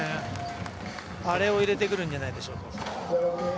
あれを入れてくるんじゃないでしょうか。